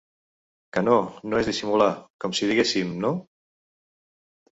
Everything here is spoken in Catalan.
Que no- no és dissimular, com si diguéssim, no?...